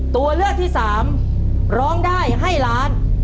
ตัวเลือกที่สามร้องได้ให้ล้าน